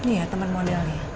iya temen modelnya